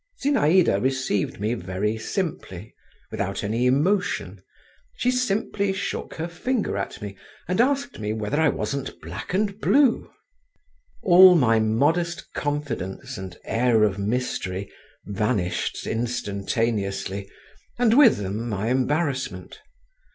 Zinaïda received me very simply, without any emotion, she simply shook her finger at me and asked me, whether I wasn't black and blue? All my modest confidence and air of mystery vanished instantaneously and with them my embarrassment.